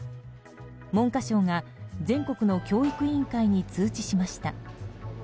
文科省が全国の教育委員会に通知しました。